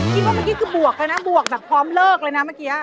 เมื่อกี้คือบวกเลยนะบวกแบบพร้อมเลิกเลยนะเมื่อกี้